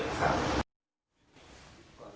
ครับ